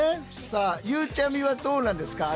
さあゆうちゃみはどうなんですか？